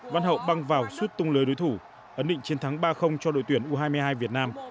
văn hậu băng vào sút tung lưới đối thủ ấn định chiến thắng ba cho đội tuyển u hai mươi hai việt nam